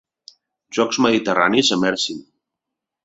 Jocs Mediterranis a Mersin.